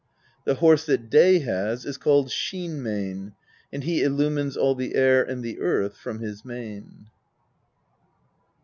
The horse that Day has is called Sheen Mane, and he illumines all the air and the earth from his mane."